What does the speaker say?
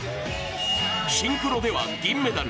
シンクロでは銀メダル。